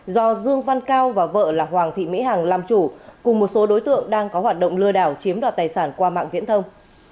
do dương văn cao và vợ là hoàng thị mỹ hằng làm chủ cùng một số đối tượng đang có hoạt động lừa đảo chiếm đoạt tài sản qua mạng viễn thông